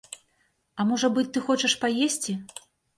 А можа быць, ты хочаш паесці?